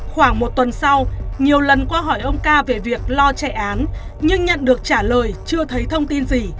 khoảng một tuần sau nhiều lần qua hỏi ông ca về việc lo chạy án nhưng nhận được trả lời chưa thấy thông tin gì